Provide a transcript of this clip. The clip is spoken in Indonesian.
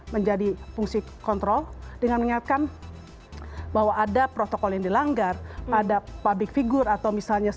menjadi fungsi kontrol dengan mengingatkan bahwa ada protokol yang dilanggar ada public figure atau misalnya